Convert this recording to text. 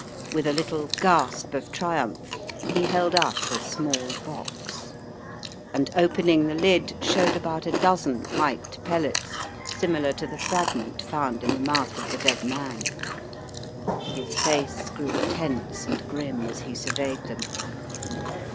With a little gasp of triumph, he held up a small box, and opening the lid, showed about a dozen white pellets similar to the fragment found in the mouth of the dead man. His face grew tense and grim as he surveyed them.